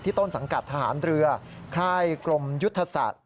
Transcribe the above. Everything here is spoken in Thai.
ต้นสังกัดทหารเรือค่ายกรมยุทธศาสตร์